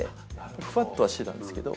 フワッとはしてたんですけど。